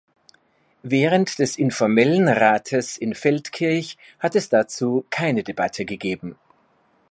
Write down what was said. Während des informellen Rates in Feldkirch hat es dazu keine Debatte gegeben.